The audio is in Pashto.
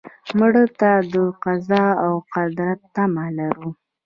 مړه ته د قضا او قدر تمه لرو